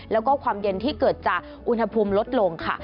แล้วก็ความเย็นที่เกิดจากอุณหภูมิลดลงค่ะ